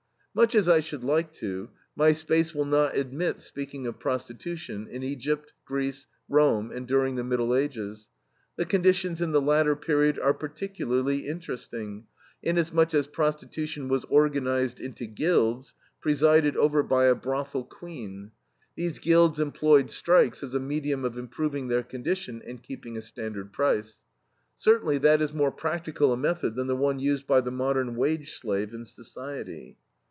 Much as I should like to, my space will not admit speaking of prostitution in Egypt, Greece, Rome, and during the Middle Ages. The conditions in the latter period are particularly interesting, inasmuch as prostitution was organized into guilds, presided over by a brothel Queen. These guilds employed strikes as a medium of improving their condition and keeping a standard price. Certainly that is more practical a method than the one used by the modern wage slave in society.